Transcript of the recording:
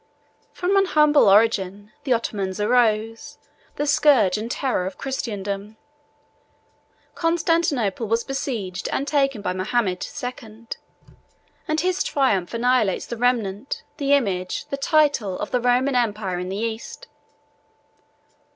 From an humble origin, the Ottomans arose, the scourge and terror of Christendom. Constantinople was besieged and taken by Mahomet II., and his triumph annihilates the remnant, the image, the title, of the Roman empire in the East.